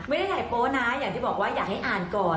ไม่ได้ถ่ายโป๊นะอย่างที่บอกว่าอยากให้อ่านก่อน